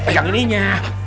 eh pegang ini nya